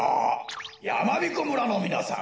やまびこ村のみなさん